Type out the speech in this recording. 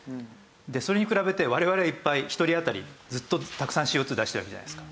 それに比べて我々はいっぱい一人当たりずっとたくさんＣＯ２出してるじゃないですか。